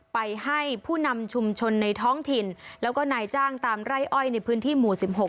ไปให้ผู้นำชุมชนในท้องถิ่นแล้วก็นายจ้างตามไร่อ้อยในพื้นที่หมู่๑๖